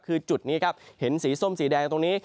คือจุดนี้ครับเห็นสีส้มสีแดงตรงนี้